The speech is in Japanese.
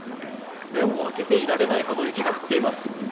目も開けていられないほど雪が降っています。